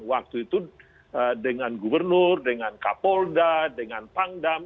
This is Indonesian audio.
waktu itu dengan gubernur dengan kapolda dengan pangdam